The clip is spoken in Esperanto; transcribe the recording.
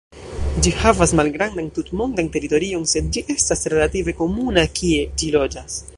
Ĝi havas malgrandan tutmondan teritorion sed ĝi estas relative komuna kie ĝi loĝas.